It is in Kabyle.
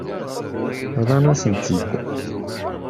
Bḍan-asen-tt-id.